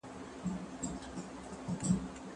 هغه د هېواد د اصلاحاتو لپاره نوښتونه او بدلونونه راوړل.